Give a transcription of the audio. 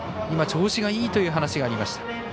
今、調子がいいという話がありました。